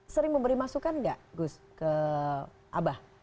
sering memberi masukan nggak gus ke abah